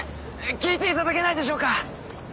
聞いていただけないでしょうか？